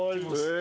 え！